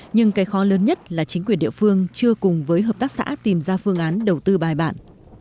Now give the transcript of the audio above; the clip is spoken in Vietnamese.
nhưng cái khó lớn nhất là chính quyền địa phương chưa cùng với hợp tác xã tìm ra phương án đầu tư bài bản